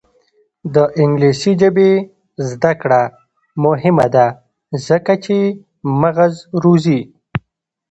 د انګلیسي ژبې زده کړه مهمه ده ځکه چې مغز روزي.